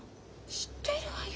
知ってるわよ。